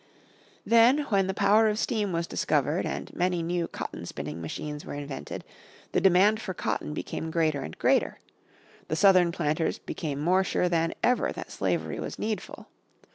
Then, when the power of steam was discovered and many new cotton spinning machines were invented, the demand for cotton became greater and greater; the Southern planters became more sure than ever that slavery was needful.